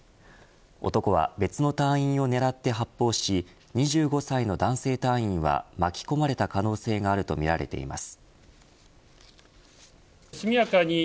男は別の隊員を狙って発砲し２５歳の男性隊員は巻き込まれた可能性があるとみられています。